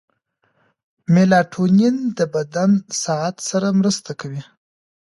میلاټونین د بدن ساعت سره مرسته کوي.